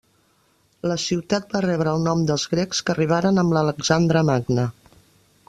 La ciutat va rebre el nom dels grecs que arribaren amb l'Alexandre Magne.